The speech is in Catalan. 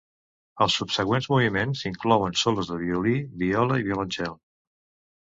Els subsegüents moviments inclouen solos de violí, viola i violoncel.